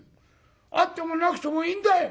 あってもなくてもいいんだよ！